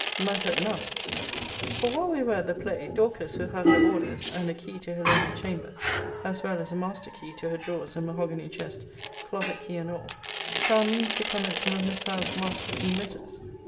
Matter enough; for while we were at the play, Dorcas, who had her orders, and a key to her lady's chamber, as well as a master key to her drawers and mahogany chest, closet key and all, found means to come at some of Miss Howe's last written letters.